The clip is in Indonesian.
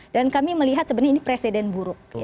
dan kami melihat sebenarnya ini presiden buruk